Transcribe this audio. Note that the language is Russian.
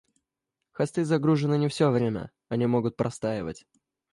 Хосты загружены не все время, они могут простаивать